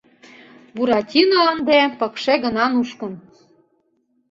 Буратино ынде пыкше гына нушкын...